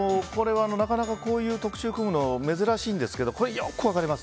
なかなかこういう特集を組むのは珍しいんですがよく分かります。